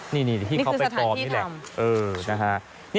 นี่ที่เขาไปปลอมนี่แหละ